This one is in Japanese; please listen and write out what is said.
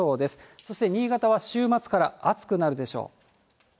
そして新潟は週末から暑くなるでしょう。